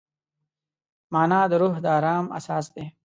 مانا د روح د ارام اساس دی.